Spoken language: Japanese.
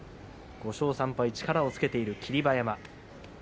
５勝３敗、力をつけている霧馬山。